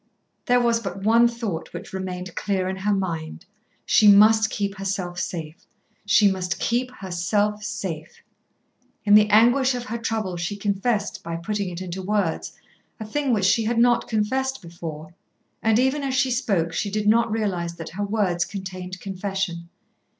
There was but one thought which remained clear in her mind. She must keep herself safe she must keep herself safe. In the anguish of her trouble she confessed, by putting it into words, a thing which she had not confessed before, and even as she spoke she did not realise that her words contained confession.